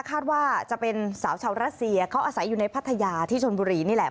คาดว่าจะเป็นสาวชาวรัสเซียเขาอาศัยอยู่ในพัทยาที่ชนบุรีนี่แหละ